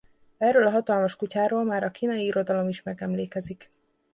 Erről a hatalmas kutyáról már a kínai irodalom is megemlékezik.